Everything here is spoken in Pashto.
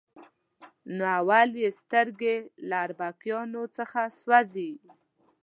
نو اول یې سترګې له اربکیانو څخه سوځي.